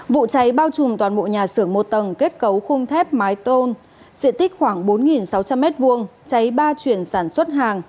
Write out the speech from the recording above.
vụ cháy bao trùm toàn bộ nhà xưởng một tầng kết cấu khung thép mái tôn diện tích khoảng bốn sáu trăm linh m hai cháy ba chuyển sản xuất hàng